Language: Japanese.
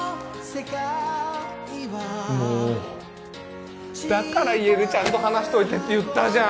もうだから家でちゃんと話しといてって言ったじゃん